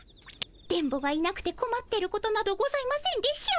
電ボがいなくてこまってることなどございませんでしょうか。